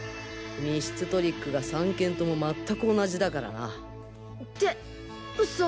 密室トリックが３件共全く同じだからな！ってウソ。